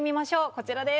こちらです。